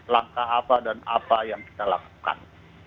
langkah apa dan apa yang kita lakukan